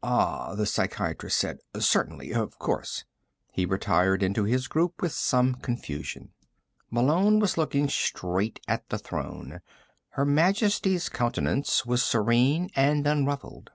"Ah," the psychiatrist said. "Certainly. Of course." He retired into his group with some confusion. Malone was looking straight at the throne. Her Majesty's countenance was serene and unruffled.